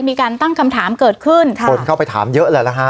มีการตั้งคำถามเกิดขึ้นค่ะคนเข้าไปถามเยอะแหละนะฮะ